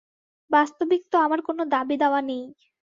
বাস্তবিক তো আমার কোন দাবী-দাওয়া নেই।